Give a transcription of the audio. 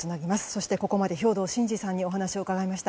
そして、ここまで兵頭慎治さんにお話を伺いました。